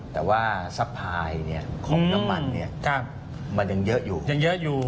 แต่ว่าสะพายของน้ำมันเนี่ยมันยังเยอะอยู่ยังเยอะอยู่